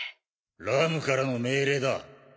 ラムからの命令だ。